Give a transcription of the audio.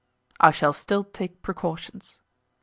"I shall still take precautions."